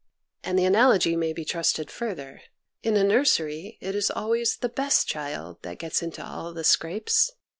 And the analogy may be trusted further. In a nursery it is always the best child that gets into all the scrapes.